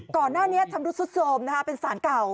ก่อนหน้านี้ทำรถทรัศโศรมเป็นศานเก่า